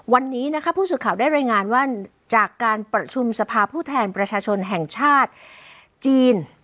วันนี้นะคะผู้สื่อข่าวได้รายงานว่าจากการประชุมสภาผู้แทนประชาชนแห่งชาติจีน